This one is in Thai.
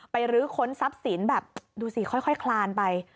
รื้อค้นทรัพย์สินแบบดูสิค่อยคลานไป